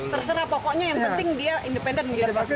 terserah pokoknya yang penting dia independen